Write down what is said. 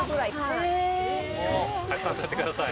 たくさん使ってください。